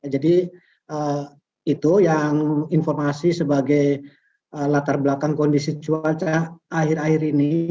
jadi itu yang informasi sebagai latar belakang kondisi cuaca akhir akhir ini